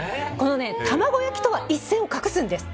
卵焼きとは一線を画すんです。